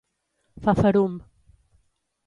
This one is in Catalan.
Fa ferum.